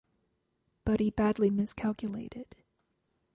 But he badly miscalculated.